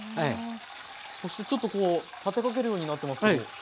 そしてちょっとこう立てかけるようになってますけど。